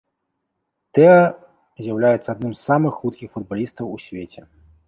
Тэа з'яўляецца адным з самых хуткіх футбалістаў у свеце.